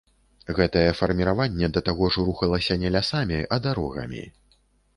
Гэтае фарміраванне да таго ж рухалася не лясамі, а дарогамі.